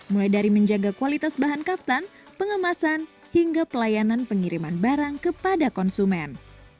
mulai dari menjaga kualitas bahan kaftan pengemasan hingga pelayanan pengiriman barang kepada konsumen